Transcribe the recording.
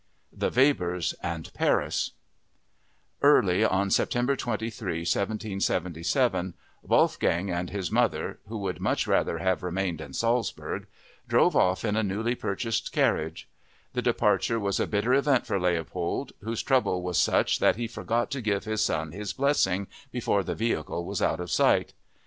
The Webers and Paris Early on September 23, 1777, Wolfgang and his mother (who would much rather have remained in Salzburg) drove off in a newly purchased carriage. The departure was a bitter event for Leopold, whose trouble was such that he forgot to give his son his blessing before the vehicle was out of sight!